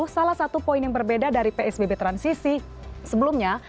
salah satu poin yang berbeda dari psbb transisi sebelumnya